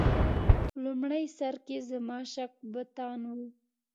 په لومړي سر کې زما شک بتان و.